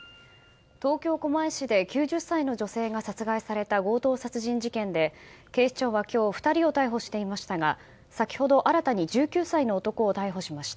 東京・狛江市で９０歳の女性が殺害された強盗殺人事件で、警視庁は今日２人を逮捕していましたが先ほど新たに１９歳の男を逮捕しました。